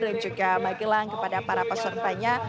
dan juga magelang kepada para pesertanya